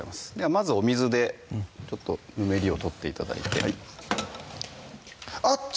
まずお水でちょっとぬめりを取って頂いてあっつ！